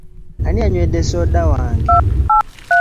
Ani yanywedde soda wange.